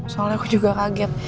soalnya aku juga kaget